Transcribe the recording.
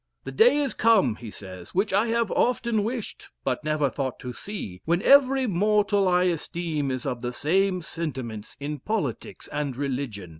"The day is come," he says, "which I have often wished, but never thought to see, when every mortal I esteem is of the same sentiments in politics and religion."